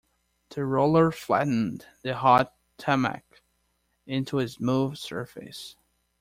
The roller flattened the hot tarmac into a smooth surface.